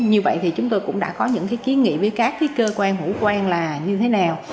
như vậy thì chúng tôi cũng đã có những kiến nghị với các cơ quan hữu quan là như thế nào